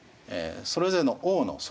それぞれの王の即位年